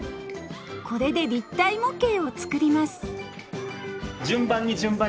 これで立体模型を作ります